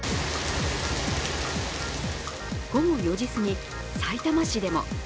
午後４時すぎ、さいたま市でも。